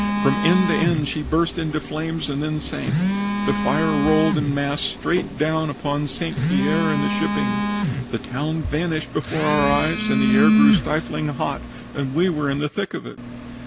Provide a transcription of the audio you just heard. From end to end she burst into flames and then sank. The fire rolled in mass straight down upon St. Pierre and the shipping. The town vanished before our eyes and the air grew stifling hot, and we were in the thick of it.